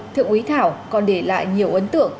thượng úy thảo còn để lại nhiều ấn tượng